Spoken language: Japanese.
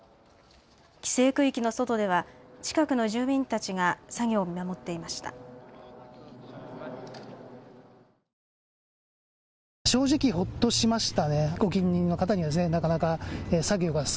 規制区域の外では近くの住民たちが作業を見守っていました。